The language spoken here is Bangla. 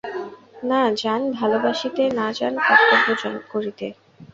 না জান ভালোবাসিতে, না জান কর্তব্য করিতে।